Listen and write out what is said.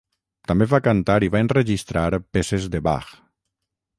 També va cantar i va enregistrar peces de Bach.